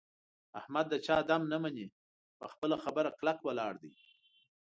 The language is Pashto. احمد د چا دم نه مني. په خپله خبره کلک ولاړ دی.